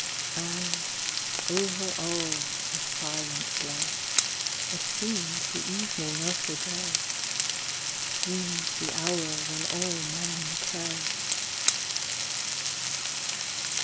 And, over all, the silence lay ; It seemed the evening of the day : It seemed the hour when all men pray.